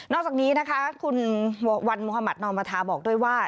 นอกจากนี้นะค่ะคุณวันมมมนบอกด้วยว่า